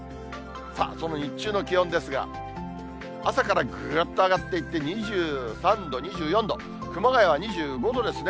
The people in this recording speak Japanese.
さあ、その日中の気温ですが、朝からぐっと上がっていって、２３度、２４度、熊谷は２５度ですね。